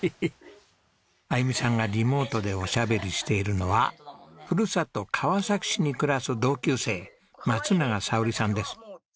あゆみさんがリモートでおしゃべりしているのはふるさと川崎市に暮らす同級生松永早織さんです。